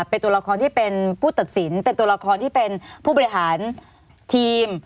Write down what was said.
เป็นตัวละครที่เป็นผู้ตัดสินเป็นตัวละครที่เป็นผู้บริหารทีม